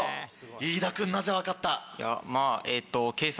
飯田君なぜ分かった？